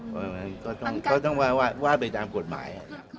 เพราะฉะนั้นก็ต้องว่าไปตามกฎหมาย